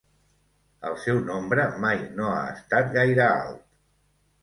El seu nombre mai no ha estat gaire alt.